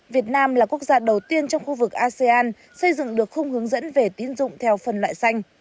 việt nam là quốc gia đầu tiên trong khu vực asean xây dựng được khung hướng dẫn về tín dụng theo phân loại xanh